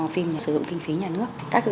phim sử dụng kinh phí nhà nước các